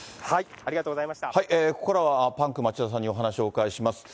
ここからはパンク町田さんにお話をお伺いします。